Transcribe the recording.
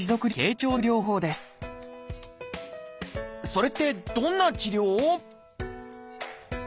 それってどんな治療？